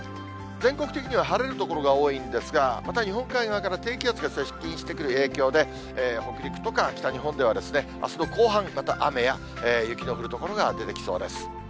全国的には晴れる所が多いんですが、また日本海側から低気圧が接近してくる影響で、北陸とか北日本ではあすの後半、また雨や雪の降る所が出てきそうです。